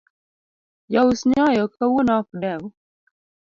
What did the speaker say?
Jo us nyoyo kawuono ok dew.